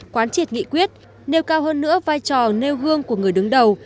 quán triệt nghị quyết nêu cao hơn nữa vai trò nêu gương của người đứng đầu